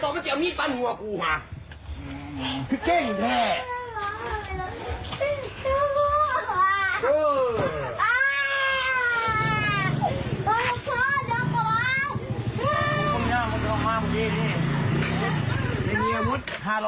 ไม่มีอาวุธ๕๐๐บาท